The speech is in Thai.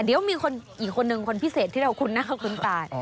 เดี๋ยวมีอีกคนนึงคนพิเศษที่เราคุ้นหน้าเขาคุ้นตา